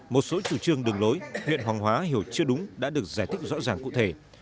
một số chủ trương đường lối huyện hoàng hóa hiểu chưa đúng đã được giải thích rõ ràng cụ thể